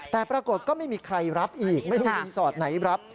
แต่ปรากฏก็ไม่มีใครรับอีกไม่รู้รีสอร์ทไหนรับ